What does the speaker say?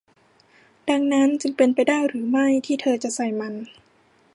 ดังนั้นจึงเป็นไปได้หรือไม่ที่เธอจะใส่มัน ?